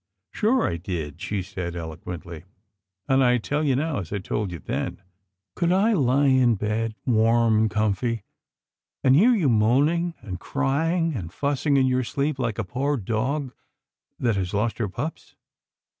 " Sure I did," she said eloquently, " and I tell you now, as I told you then — could I He in bed warm and comfy, and hear you moaning and cry ing and fussing in your sleep like a poor dog that has lost her pups